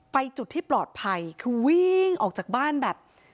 จุดที่ปลอดภัยคือวิ่งออกจากบ้านแบบ